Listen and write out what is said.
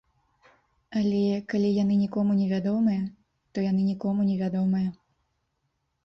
Але калі яны нікому не вядомыя, то яны нікому не вядомыя.